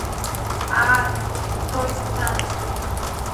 Ааи, сцоит, сан.